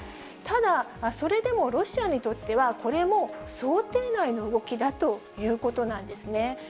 ただ、それでもロシアにとっては、これも想定内の動きだということなんですね。